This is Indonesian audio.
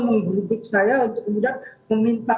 memburu duit saya untuk kemudian